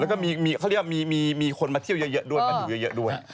แล้วก็เขาเรียกว่ามีคนมาเที่ยวเยอะด้วยมาดูเยอะด้วย